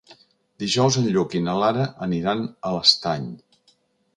Dijous en Lluc i na Lara aniran a l'Estany.